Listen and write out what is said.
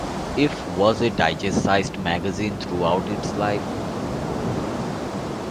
"If" was a digest-sized magazine throughout its life.